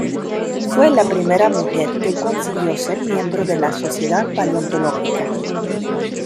Fue la primera mujer que consiguió ser miembro de la Sociedad Paleontológica.